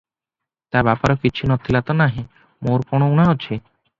ତା ବାପର କିଛି ନ ଥିଲା ତ ନାହିଁ, ମୋର କଣ ଉଣା ଅଛି?